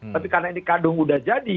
tapi karena ini kadung sudah jadi